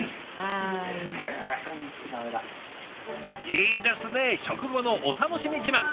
いいですね食後のお楽しみ自慢。